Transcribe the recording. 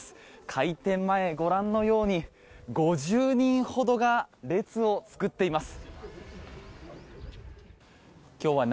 開店前ご覧のように５０人ほどが列を作っています。